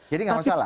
jadi nggak masalah